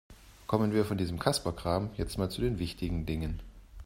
Kommen wir von diesem Kasperkram jetzt mal zu den wichtigen Dingen.